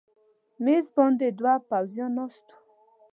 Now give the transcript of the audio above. مېز باندې دوه پوځیان ناست و.